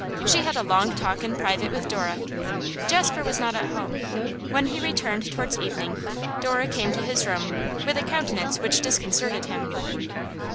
She had a long talk in private with Dora. Jasper was not at home; when he returned towards evening, Dora came to his room with a countenance which disconcerted him.